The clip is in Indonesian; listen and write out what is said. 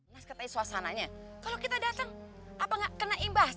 nasket aja suasananya kalau kita datang apa gak kena imbas